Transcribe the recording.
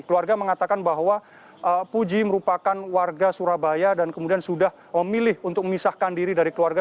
keluarga mengatakan bahwa puji merupakan warga surabaya dan kemudian sudah memilih untuk memisahkan diri dari keluarga